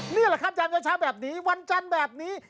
นี่แหละครับยามเช้าแบบนี้วันจันทร์แบบนี้